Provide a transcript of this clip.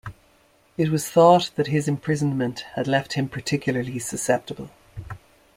It was thought that his imprisonment had left him particularly susceptible.